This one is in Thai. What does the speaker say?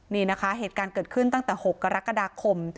นี่นะคะเหตุการณ์เกิดขึ้นตั้งแต่๖กรกฎาคม